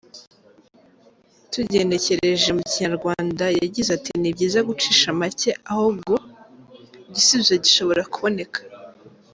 Tugenekereje mu Kinyarwanda yagize ati: “ ni byiza gucisha make aho gu……, igisubizo gishobora kuboneka.